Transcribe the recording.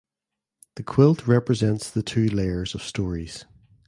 The quilt represents the two layers of stories.